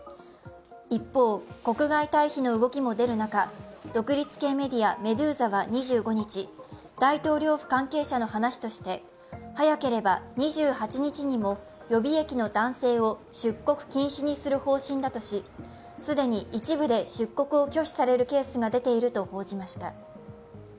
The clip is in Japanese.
一方、国外退避の動きも出る中、独立系メディア・メドゥーザは２５日、大統領府関係者の話として早ければ２８日にも予備役の男性を出国禁止にする方針だとし既に一部で出国を拒否するケースが出ていると報じました。